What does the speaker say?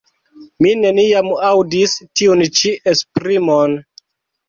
Mi neniam aŭdis tiun ĉi esprimon.